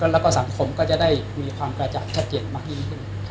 แล้วก็สังคมก็จะได้มีความกระจ่างชัดเจนมากยิ่งขึ้น